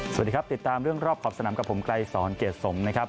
สวัสดีครับติดตามเรื่องรอบขอบสนามกับผมไกรสอนเกรดสมนะครับ